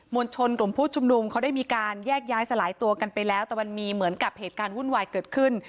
วลชนกลุ่มผู้ชุมนุมเขาได้มีการแยกย้ายสลายตัวกันไปแล้วแต่มันมีเหมือนกับเหตุการณ์วุ่นวายเกิดขึ้น